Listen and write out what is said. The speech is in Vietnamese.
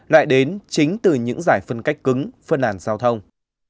lại đến chính từ những giải phân cách cứng phân làn giao thông